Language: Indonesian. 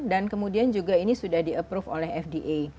dan kemudian juga ini sudah di approve oleh fda